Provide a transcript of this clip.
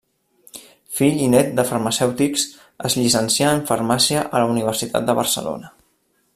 Fill i nét de farmacèutics, es llicencià en farmàcia a la Universitat de Barcelona.